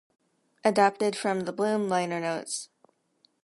Adapted from the "Bloom" liner notes.